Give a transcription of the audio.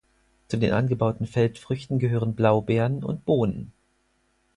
Zu den angebauten Feldfrüchten gehören Blaubeeren und Bohnen.